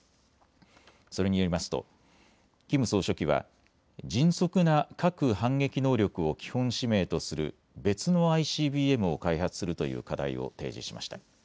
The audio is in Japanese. それによりますとキム総書記は迅速な核反撃能力を基本使命とする別のＩＣＢＭを開発するという課題を提示しました。